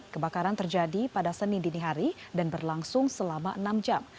kebakaran terjadi pada senin dini hari dan berlangsung selama enam jam